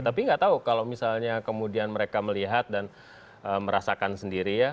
tapi nggak tahu kalau misalnya kemudian mereka melihat dan merasakan sendiri ya